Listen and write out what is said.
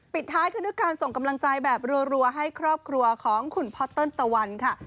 ท้ายขึ้นด้วยการส่งกำลังใจแบบรัวให้ครอบครัวของคุณพ่อเติ้ลตะวันค่ะ